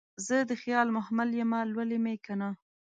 زه دخیال محمل یمه لولی مې کنه